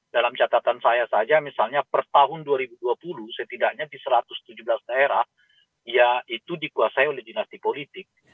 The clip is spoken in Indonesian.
dalam catatan saya saja misalnya per tahun dua ribu dua puluh setidaknya di satu ratus tujuh belas daerah ya itu dikuasai oleh dinasti politik